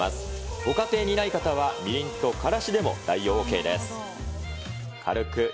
ご家庭にない方はみりんとからしでも代用ＯＫです。